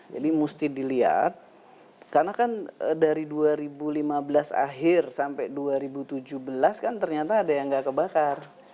jadi mesti dilihat karena kan dari dua ribu lima belas akhir sampai dua ribu tujuh belas kan ternyata ada yang nggak kebakar